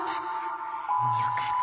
よかった。